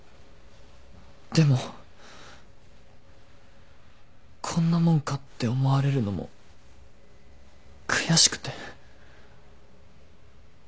でも「こんなもんか」って思われるのも悔しくて。